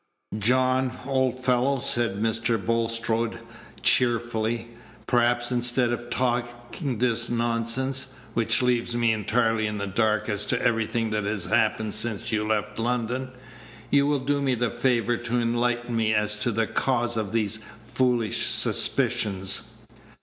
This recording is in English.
"John, old fellow," said Mr. Bulstrode, cheerfully, "perhaps, instead of talking this nonsense (which leaves me entirely in the dark as to everything that has happened since you left London), you will do me the favor to enlighten me as to the cause of these foolish suspicions."